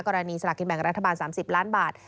กรณีสลักกิจแบ่งรัฐบาล๓๐ล้านบาท